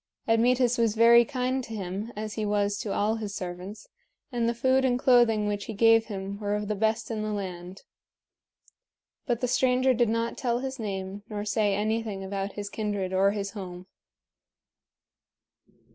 Admetus was very kind to him, as he was to all his servants, and the food and clothing which he gave him were of the best in the land. But the stranger did not tell his name nor say anything about his kindred or his home.